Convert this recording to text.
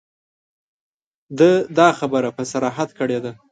ده دا خبره په صراحت کړې ده.